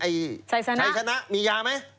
ไอ้ไฉชะนะนี่มียาไหม